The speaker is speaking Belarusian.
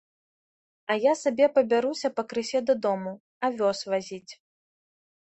А я сабе пабяруся пакрысе дадому, авёс вазіць.